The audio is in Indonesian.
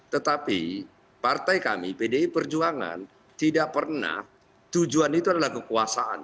tetapi partai kami pdi perjuangan tidak pernah tujuan itu adalah kekuasaan